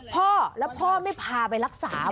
พ่อแล้วพ่อไม่พาไปรักษา